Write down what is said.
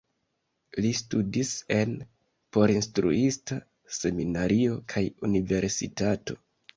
Li studis en porinstruista seminario kaj universitato.